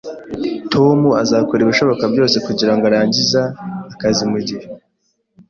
Tom azakora ibishoboka byose kugirango arangize akazi ku gihe